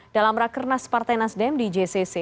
dalam rakernas partai nasdem di jcc